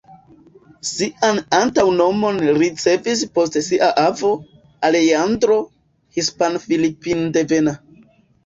Sian antaŭnomon ricevis post sia avo, Alejandro, hispan-filipindevena.